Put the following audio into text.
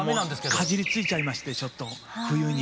かじりついちゃいましてちょっと冬に。